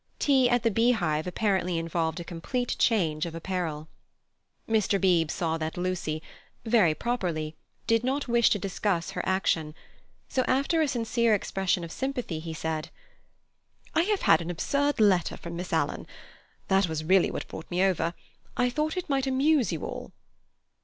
Tea at the Beehive apparently involved a complete change of apparel. Mr. Beebe saw that Lucy—very properly—did not wish to discuss her action, so after a sincere expression of sympathy, he said, "I have had an absurd letter from Miss Alan. That was really what brought me over. I thought it might amuse you all."